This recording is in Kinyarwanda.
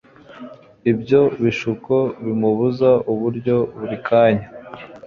Ibyo bishuko bimubuza uburyo buri kanya.